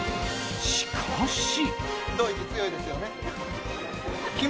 しかし。